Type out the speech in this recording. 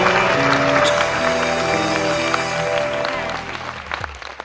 สู้ครับ